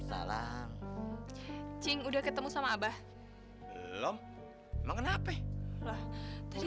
salam cing udah ketemu sama abah belum mengenai